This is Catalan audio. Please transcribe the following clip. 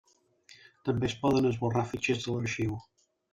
També es poden esborrar fitxers de l'arxiu.